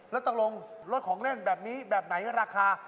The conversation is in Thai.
แล้วตกลงรถของเล่นแบบนี้แบบไหนราคา